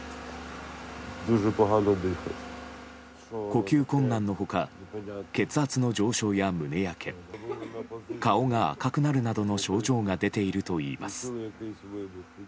呼吸困難の他血圧の上昇や胸やけ顔が赤くなるなどの症状が出ているといいます。